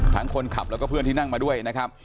คนขับแล้วก็เพื่อนที่นั่งมาด้วยนะครับ